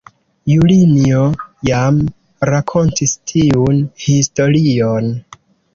Julinjo, jam rakontis tiun historion.